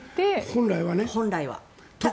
本来はね。